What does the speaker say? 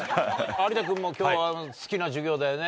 有田君も今日は好きな授業だよね。